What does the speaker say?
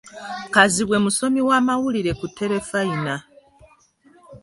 Kazibwe musomi wa mawulire ku terefayina.